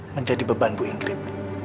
menjadi beban bu ingrid